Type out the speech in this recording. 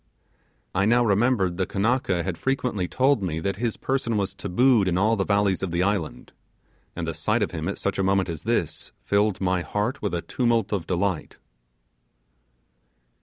I now remembered the Kanaka had frequently told me that his person was tabooed in all the valleys of the island, and the sight of him at such a moment as this filled my heart with a tumult of delight.